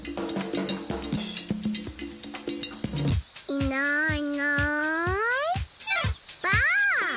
いないいないばあっ！